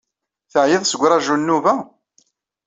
Teɛyiḍ seg uraju n nnuba?